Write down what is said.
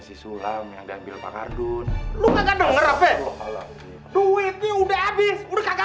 si sulam yang dan bela pakardun lu kagak denger abe duitnya udah habis udah kagak